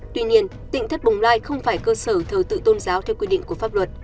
tuy nhiên tỉnh thất bồng lai không phải cơ sở thờ tự tôn giáo theo quy định của pháp luật